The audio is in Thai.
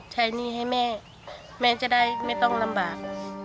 หนี้ให้แม่แม่จะได้ไม่ต้องลำบาก